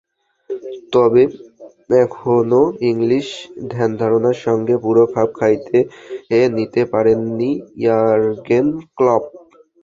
তবে এখনো ইংলিশ ধ্যানধারণার সঙ্গে পুরো খাপ খাইয়ে নিতে পারেননি ইয়ুর্গেন ক্লপ।